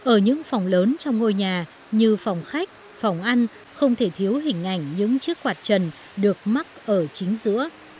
ở những phòng lớn trong ngôi nhà như phòng khách phòng ăn không thể thiếu hình ảnh những chiếc quạt trần được mắc ở chính giữa